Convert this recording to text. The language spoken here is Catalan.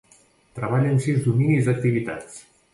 Treballa en sis dominis d'activitats.